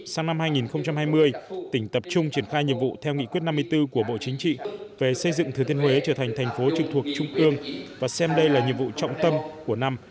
sang năm hai nghìn hai mươi tỉnh tập trung triển khai nhiệm vụ theo nghị quyết năm mươi bốn của bộ chính trị về xây dựng thừa thiên huế trở thành thành phố trực thuộc trung ương và xem đây là nhiệm vụ trọng tâm của năm